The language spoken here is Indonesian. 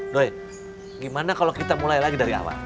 doy gimana kalau kita mulai lagi dari awal